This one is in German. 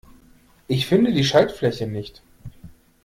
Ich finde die Schaltfläche nicht.